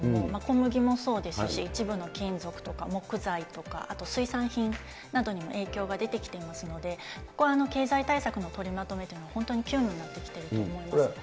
どうしてもガソリンの値段に注目がいきがちですけれども、小麦もそうですし、一部の金属とか、木材とか、あと水産品などにも影響が出てきていますので、ここ、経済対策の取りまとめは本当に急務になってきていると思います。